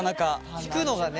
引くのがね。